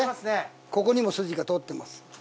ここにも筋が通ってます。